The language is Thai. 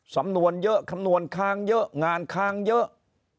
สำนวนเยอะคำนวณค้างเยอะงานค้างเยอะ